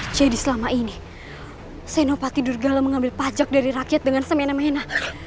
jadi selama ini senopati durgala mengambil pajak dari rakyat dengan semena mena